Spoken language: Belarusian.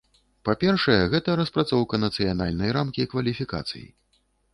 Па-першае, гэта распрацоўка нацыянальнай рамкі кваліфікацый.